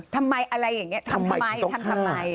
ทำไมอะไรอย่างนี้ทำทำไม